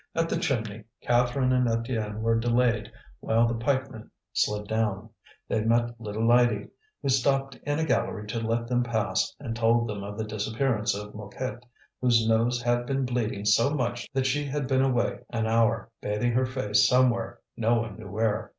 At the chimney Catherine and Étienne were delayed while the pikemen slid down. They met little Lydie, who stopped in a gallery to let them pass, and told them of the disappearance of Mouquette, whose nose had been bleeding so much that she had been away an hour, bathing her face somewhere, no one knew where.